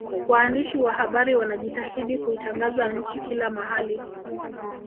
waandishi wa habari wanajitahidi kuitangaza nchi kila mahali